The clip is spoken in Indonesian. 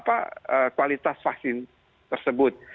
maka dia tidak akan menolak vaksin tersebut